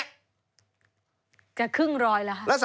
จะครึ่งร้อยแล้วค่ะ